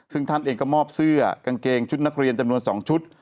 ซึ่งท่านเองก็มอบเสื้อกางเกงชุดนักเรียนจำนวน๒ชุด